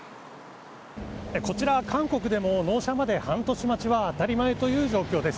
こちら、韓国でも、納車まで半年待ちは当たり前という状況です。